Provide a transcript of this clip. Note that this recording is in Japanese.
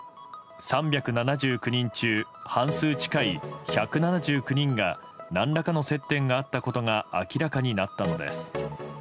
３７９人中、半数近い１７９人が何らかの接点があったことが明らかになったのです。